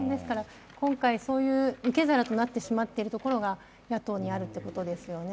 今回受け皿となってしまっているところが野党にあるということですね。